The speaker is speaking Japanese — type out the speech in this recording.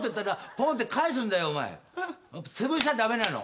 つぶしちゃ駄目なの。